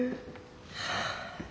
はあ。